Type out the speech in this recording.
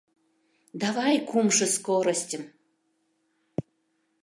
— Давай кумшо скоростьым!